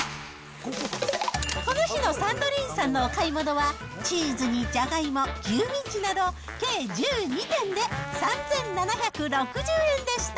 この日のサンドリーンさんのお買い物は、チーズにジャガイモ、牛ミンチなど計１２点で３７６０円でした。